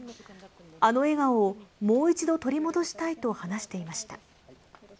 あの笑顔をもう一度取り戻したいと話していました。